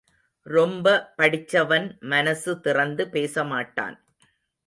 ரொம்ப படிச்சவன் மனசு திறந்து பேசமாட்டான்.